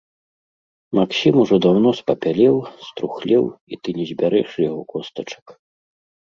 Максім ужо даўно спапялеў, струхлеў, і ты не збярэш яго костачак.